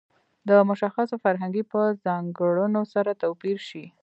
د مشخصو فرهنګي په ځانګړنو سره توپیر شي.